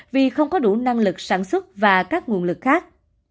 vì không có đủ năng lực sản xuất và các nguồn lực khác